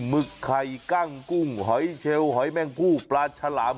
หึกไข่กั้งกุ้งหอยเชลหอยแม่งผู้ปลาฉลาม